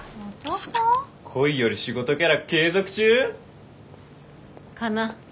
恋より仕事キャラ継続中？かな。